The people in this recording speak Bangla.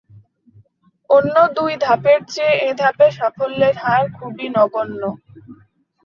অন্য দুই ধাপের চেয়ে এ ধাপে সাফল্যের হার খুবই নগণ্য।